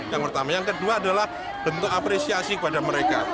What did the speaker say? yang pertama yang kedua adalah bentuk apresiasi kepada mereka